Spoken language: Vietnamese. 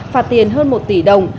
phạt tiền hơn một tỷ đồng